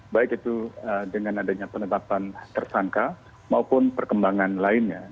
baik itu dengan adanya penetapan tersangka maupun perkembangan lainnya